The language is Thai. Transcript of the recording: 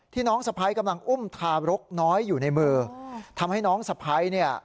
น้องสะพ้ายกำลังอุ้มทารกน้อยอยู่ในมือทำให้น้องสะพ้ายเนี่ย